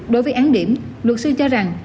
đối với án điểm luật sư cho rằng